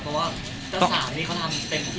เพราะว่าเจ้าสาวนี้เขาทำเต็มที่เลย